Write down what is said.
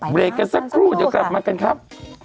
เบรกกันสักครู่เดี๋ยวกลับมากันครับ